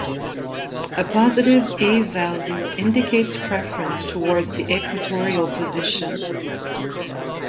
A positive A value indicates preference towards the equatorial position.